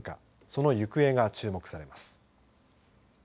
その行方が注目されます。